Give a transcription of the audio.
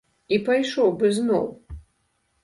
І пайшоў бы зноў.